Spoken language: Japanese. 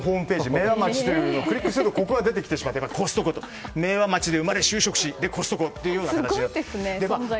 明和町というのをクリックするとここが出てきてしまって明和町で生まれ、就職しコストコという感じで。